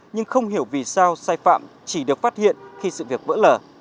nhưng không hiểu vì sao sai phạm chỉ được phát hiện khi sự việc vỡ lở